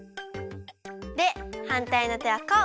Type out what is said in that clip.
ではんたいのてはこう！